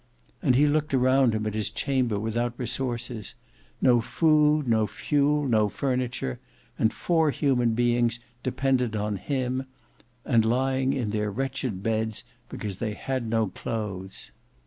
And he looked around him at his chamber without resources: no food, no fuel, no furniture, and four human beings dependent on him, and lying in their wretched beds because they had no clothes.